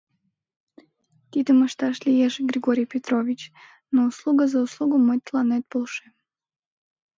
— Тидым ышташ лиеш, Григорий Петрович, но услуга за услугу, мый тыланет полшем.